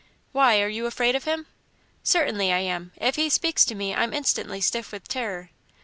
"Why; are you afraid of him?" "Certainly I am. If he speaks to me, I'm instantly stiff with terror."